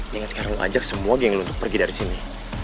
ingat sekarang lo ajak semua geng lo untuk pergi dari sini